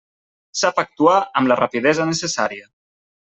Sap actuar amb la rapidesa necessària.